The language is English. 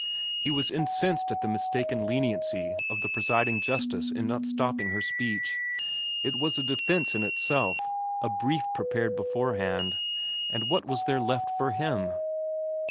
He was incensed at the mistaken leniency of the presiding justice in not stopping her speech; it was a defence in itself, a brief prepared beforehand and what was there left for him?